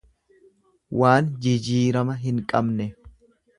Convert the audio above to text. Waan jijiirama hin qabne.